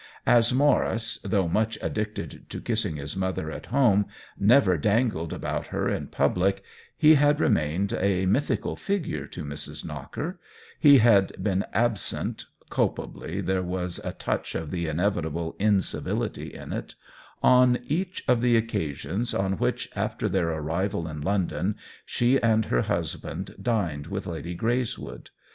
As Maurice, though much addicted to kissing his mother at home, never dangled about her in public, he had remained a mythical figure to Mrs. Knocker; he had been absent (culpably — iS THE WHEEL OF TIME there was a touch of the inevitable incivility in it) on each of the occasions on which, after their arrival in London, she and her husband dined with Lady Greyswood.